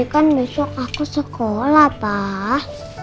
kan besok aku sekolah pak